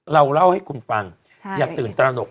เราเล่าให้คุณฟังอย่าตื่นตระหนก